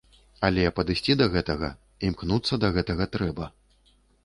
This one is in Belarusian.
Але падысці да гэтага, імкнуцца да гэтага трэба.